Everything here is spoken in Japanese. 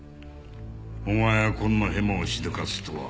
お前がこんなへまをしでかすとは。